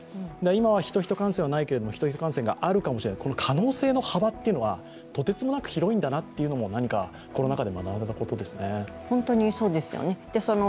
今はヒト−ヒト感染はないけれども、ヒト−ヒト感染はあるかもしれない可能性の幅というのは、とてつもなく広いんだなということは何か、コロナ禍で学んだことですね